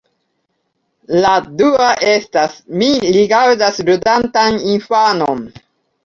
La dua estas: Mi rigardas ludantan infanon.